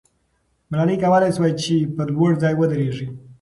ملالۍ کولای سوای چې پر لوړ ځای ودریږي.